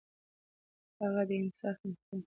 هغه د انصاف محکمه پياوړې کړه.